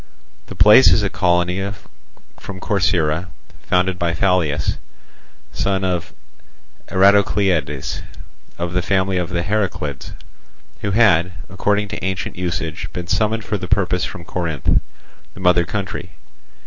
The place is a colony from Corcyra, founded by Phalius, son of Eratocleides, of the family of the Heraclids, who had according to ancient usage been summoned for the purpose from Corinth, the mother country.